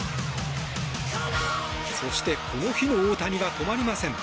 そしてこの日の大谷は止まりません。